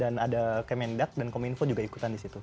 dan ada yang mendak dan kominfo juga ikutan disitu